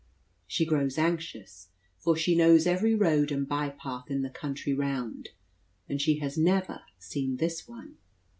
She grows anxious; for she knows every road and by path in the country round, and she has never seen this one.